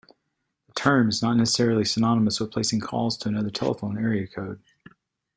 The term is not necessarily synonymous with placing calls to another telephone area code.